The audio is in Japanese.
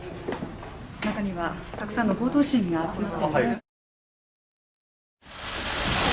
中にはたくさんの報道陣が集まっています。